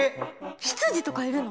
執事とかいるの？